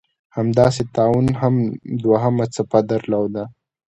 همداسې طاعون هم دوهمه څپه درلوده.